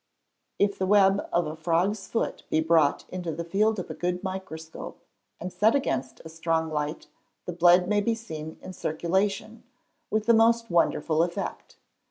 If the web of a frog's foot be brought in the field of a good microscope, and set against a strong light, the blood may be seen in circulation, with the most wonderful effect.